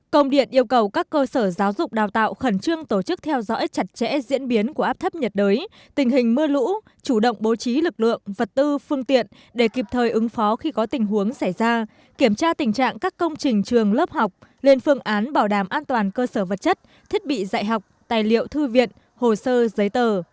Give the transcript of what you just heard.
công điện yêu cầu các cơ sở giáo dục đào tạo khẩn trương tổ chức theo dõi chặt chẽ diễn biến của áp thấp nhiệt đới tình hình mưa lũ chủ động bố trí lực lượng vật tư phương tiện để kịp thời ứng phó khi có tình huống xảy ra kiểm tra tình trạng các công trình trường lớp học lên phương án bảo đảm an toàn cơ sở vật chất thiết bị dạy học tài liệu thư viện hồ sơ giấy tờ